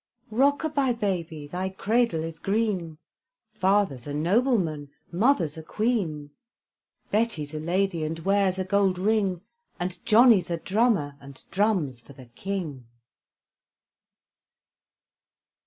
Rock a bye, baby, thy cradle is green; Father's a nobleman, mother's a Queen; Betty's a lady, and wears a gold ring; And Johnny's a drummer, and drums for the King.